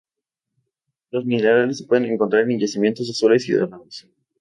Los minerales se pueden encontrar en yacimientos azules y dorados.